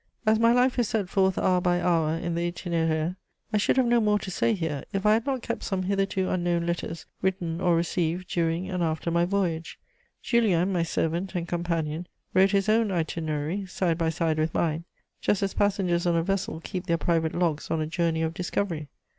As my life is set forth hour by hour in the Itinéraire, I should have no more to say here, if I had not kept some hitherto unknown letters written or received during and after my voyage. Julien, my servant and companion, wrote his own Itinerary side by side with mine, just as passengers on a vessel keep their private logs on a journey of discovery.